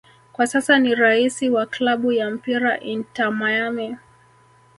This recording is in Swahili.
Kwa sasa ni raisi wa klabu ya mpira Inter Miami